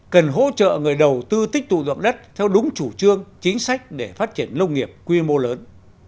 cần hỗ trợ người đầu tư tích tụ dụng đất theo đúng chủ trương chính sách để phát triển nông nghiệp quy mô lớn